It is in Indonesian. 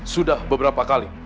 sudah beberapa kali